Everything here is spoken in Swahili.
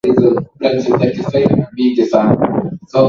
Nitashinda hii vita na yote yatakwisha